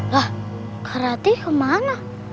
lah kak rati kemana